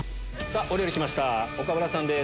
お料理きました岡村さんです。